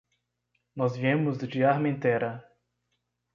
Nós viemos de Armentera.